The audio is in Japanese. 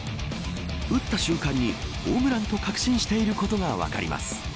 打った瞬間にホームランと確信していることが分かります。